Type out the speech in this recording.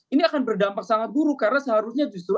ini akan berdampak sangat buruk karena seharusnya justru